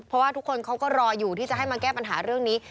เพราะว่าทุกคนเขาก็รออยู่ที่จะให้มาแก้ปัญหาเรื่องนี้